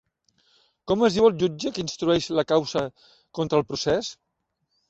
Com es diu el jutge que instrueix la causa contra el procés?